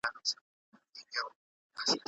ده د بند شرايطو ښه والی وغوښت.